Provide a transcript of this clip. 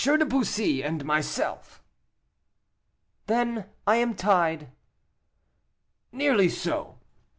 de Bussy and myself." "Then I am tied." "Nearly so.